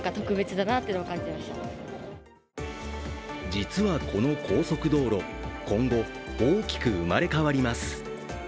実はこの高速道路、今後大きく生まれ変わります。